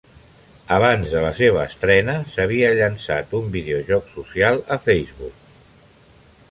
Abans de la seva estrena s'havia llançat un videojoc social en Facebook.